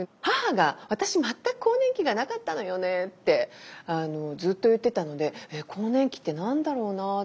母が「私全く更年期がなかったのよね」ってずっと言ってたので「更年期って何だろうな？